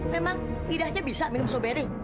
memang tidaknya bisa minum strawberry